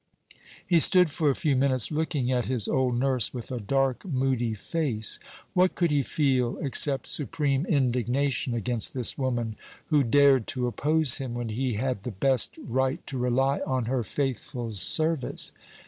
He stood for a few minutes looking at his old nurse, with a dark moody face. What could he feel except supreme indignation against this woman, who dared to oppose him when he had the best right to rely on her faithful service?